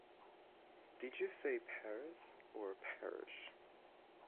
Did you say Paris or Parish?